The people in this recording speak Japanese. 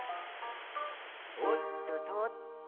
「おっととっと」